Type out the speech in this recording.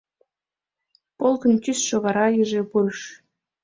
Полкын тӱсшӧ вара иже пурыш.